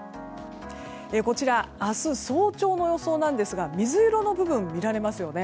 こちら、明日早朝の予想ですが水色の部分が見られますね。